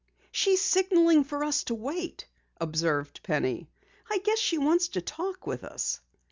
"She's signaling for us to wait," observed Penny. "I guess she wants to talk with us."